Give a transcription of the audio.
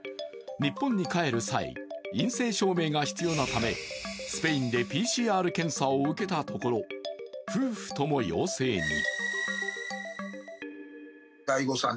日本に帰る際、陰性証明が必要なため、スペインでＰＣＲ検査を受けたところ夫婦とも陽性に。